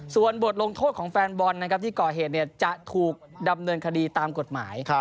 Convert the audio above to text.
ส่วนบทลงโทษของแฟนบอลนะครับที่ก่อเหตุจะถูกดำเนินคดีตามกฎหมาย